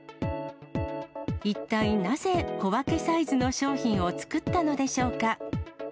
一体なぜ小分けサイズの商品を作ったのでしょうか。